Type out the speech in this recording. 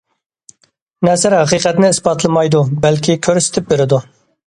نەسر ھەقىقەتنى ئىسپاتلىمايدۇ بەلكى كۆرسىتىپ بېرىدۇ.